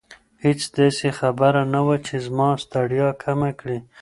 هیڅ داسې خبره نه وه چې زما ستړیا کمه کړي.